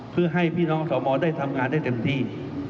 เพื่อให้พี่น้องสวได้ทำงานได้เต็มที่